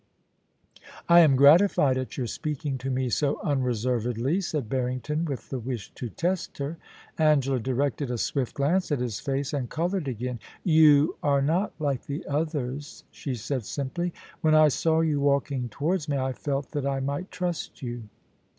I am gratified at your speaking to me so unreservedly,* said Barrington, with the wish to test her. Angela directed a swift glance at his face, and coloured again. ' You are not like the others,' she said simply. * When I saw you walking towards me I felt that I might trust you.